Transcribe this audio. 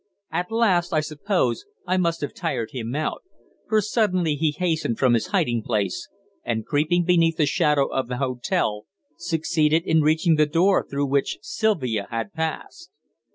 At last, I suppose, I must have tired him out, for suddenly he hastened from his hiding place, and, creeping beneath the shadow of the hotel, succeeded in reaching the door through which Sylvia had passed.